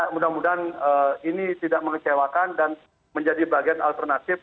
mudah mudahan ini tidak mengecewakan dan menjadi bagian alternatif